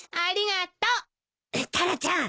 タラちゃん